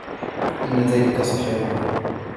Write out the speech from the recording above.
إن ذلك صحيح.